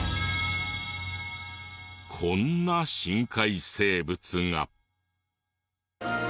こんな深海生物が。